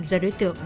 do đối tượng